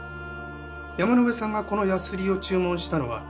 山野辺さんがこのヤスリを注文したのはひと月前。